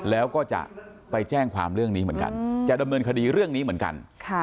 แล้วก็จะไปแจ้งความเรื่องนี้เหมือนกันจะดำเนินคดีเรื่องนี้เหมือนกัน